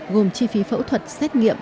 gồm chi phí phẫu thuật xét nghiệm